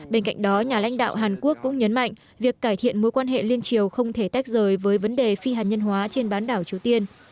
bên cạnh đó nhà lãnh đạo hàn quốc cũng nhấn mạnh việc cải thiện mối quan hệ liên triều không thể tách rời với vấn đề phi hạt nhân hóa trên bán đảo triều tiên